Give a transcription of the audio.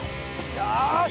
よし！